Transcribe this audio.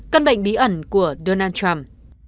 cán bạnh bí ẩn của donald trump